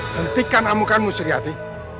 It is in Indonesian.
hentikan amukanmu suryati